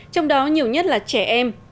trong đó nhiều nhất là trẻ em